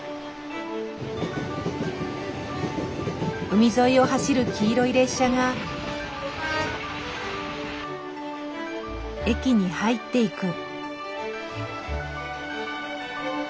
海沿いを走る黄色い列車が駅に入っていく。